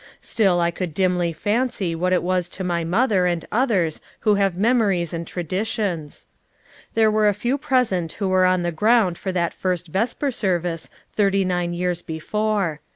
Siill I could dimly fancy what it was to my mother and others who have memories and traditions. There were a few present who were on the ground for that first vesper sorvico thirty nine years before.